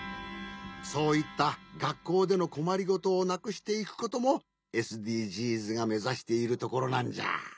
そういったがっこうでのこまりごとをなくしていくこともＳＤＧｓがめざしているところなんじゃ。